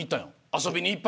遊びに。